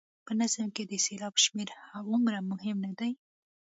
په نظم کې د سېلاب شمېر هغومره مهم نه دی.